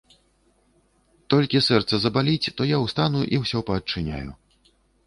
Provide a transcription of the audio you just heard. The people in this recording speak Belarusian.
Толькі сэрца забаліць, то я ўстану і ўсё паадчыняю.